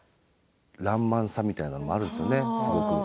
らんまんさみたいなものもあるんですよね、すごく。